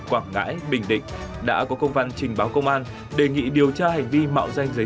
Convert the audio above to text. quảng ngãi bình định đã có công văn trình báo công an đề nghị điều tra hành vi mạo danh giới